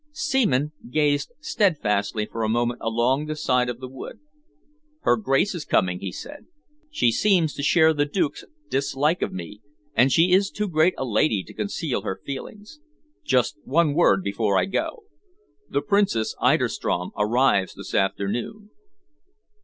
Seaman gazed steadfastly for a moment along the side of the wood. "Her Grace is coming," he said. "She seems to share the Duke's dislike of me, and she is too great a lady to conceal her feelings. Just one word before I go. The Princess Eiderstrom arrives this afternoon."